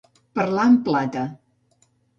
Parlar en plata.